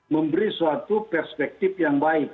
memberi suatu perspektif yang baik